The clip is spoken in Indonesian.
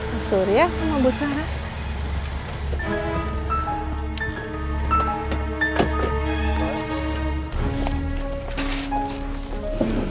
paksudnya sama bu sarah